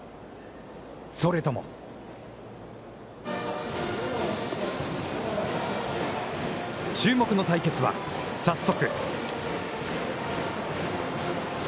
それとも注目の対決は、早速。